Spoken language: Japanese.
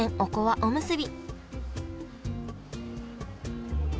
おむすび